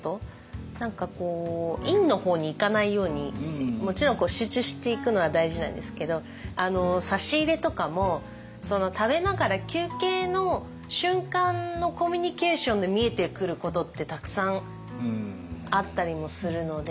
何かこう陰の方にいかないようにもちろん集中していくのは大事なんですけど差し入れとかも食べながら休憩の瞬間のコミュニケーションで見えてくることってたくさんあったりもするので。